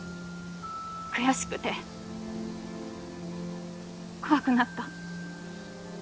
悔しくて怖くなった。